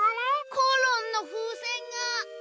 コロンのふうせんが。